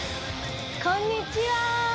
こんにちは！